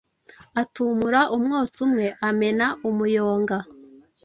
atumura umwotsi umwe amena umuyonga.